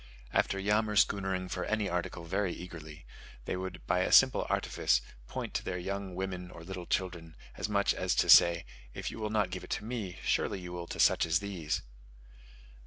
After yammerschoonering for any article very eagerly, they would by a simple artifice point to their young women or little children, as much as to say, "If you will not give it me, surely you will to such as these."